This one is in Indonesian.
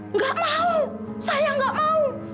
enggak mau saya enggak mau